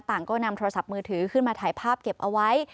ต่างก็นำโทรศัพท์มือถือขึ้นมาถ่ายภาพเก็บเอาไว้